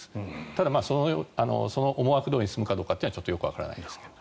ただその思惑どおりに進むかはちょっとわからないです。